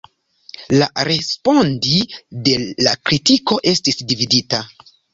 La respondi de la kritiko estis dividita.